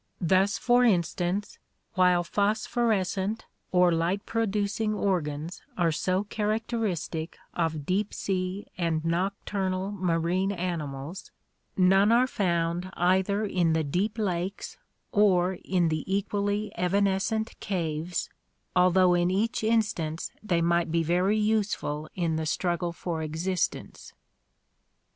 Thus, for instance, while phosphorescent or light producing organs are so characteristic of deep sea and nocturnal marine animals, none are found either in 70 ORGANIC EVOLUTION the deep lakes or in the equally evanescent caves, although in each instance they might be very useful in the struggle for existence.